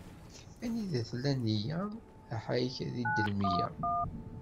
Anida tella nneyya, aḥayek ad idel meyya.